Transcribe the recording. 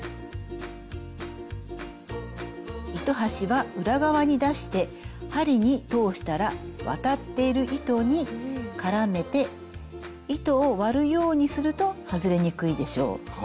糸端は裏側に出して針に通したら渡っている糸に絡めて糸を割るようにすると外れにくいでしょう。